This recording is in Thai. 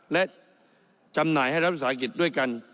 และจำหน่ายให้รัฐวิทยาลัยศาสตร์กิจด้วยกัน